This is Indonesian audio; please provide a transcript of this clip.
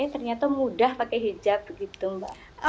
ternyata mudah pakai hijab begitu mbak